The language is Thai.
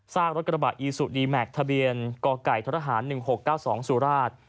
ซากรถกระบาดอีสุรีแมคทะเบียนกไก่ทศ๑๖๙๒สุราช